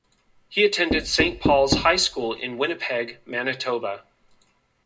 He attended Saint Paul's High School in Winnipeg, Manitoba.